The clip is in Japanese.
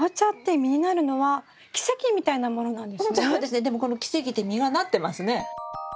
でもこの奇跡で実がなってますね。